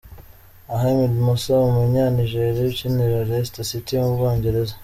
Ahmed Musa umunya-Nigeria ukinira Leicester City mu Bwongereza.